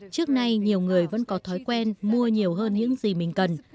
trước nay nhiều người vẫn có thói quen mua nhiều hơn những gì mình cần